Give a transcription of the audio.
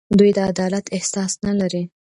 دوی د عدالت احساس نه لري.